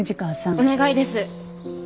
お願いです。